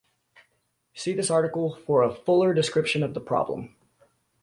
See this article for a fuller description of the problem.